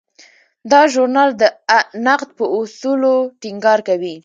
دا ژورنال د نقد په اصولو ټینګار کوي.